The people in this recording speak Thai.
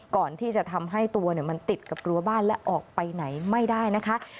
ก่อนที่จะทำให้ตัวมันติดกับรัวบ้านและออกไปไหนไม่ได้นะคะ